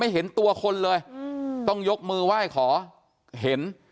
เห็นตัวคนเลยต้องยกมือไหว้ขอเห็น